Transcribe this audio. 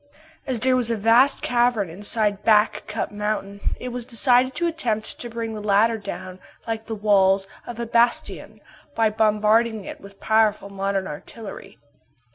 As there was a vast cavern inside Back Cup mountain, it was decided to attempt to bring the latter down like the walls of a bastion, by bombarding it with powerful modern artillery.